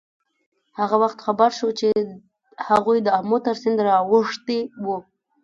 هغه وخت خبر شو چې هغوی د آمو تر سیند را اوښتي وو.